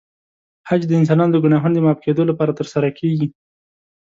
حج د انسانانو د ګناهونو د معاف کېدو لپاره ترسره کېږي.